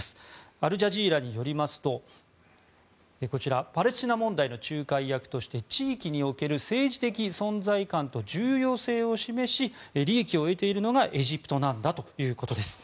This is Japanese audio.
アルジャジーラによりますとこちら、パレスチナ問題の仲介役として地域における政治的存在感と重要性を示し利益を得ているのがエジプトなんだということです。